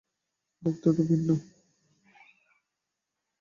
দেখতে তো ভিন্ন।